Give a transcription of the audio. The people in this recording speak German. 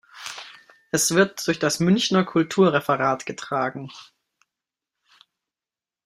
Es wird durch das Münchner Kulturreferat getragen.